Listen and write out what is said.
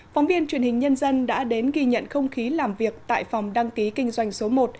phóng viên truyền hình nhân dân đã đến ghi nhận không khí làm việc tại phòng đăng ký kinh doanh số một